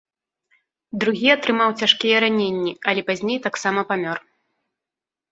Другі атрымаў цяжкія раненні, але пазней таксама памёр.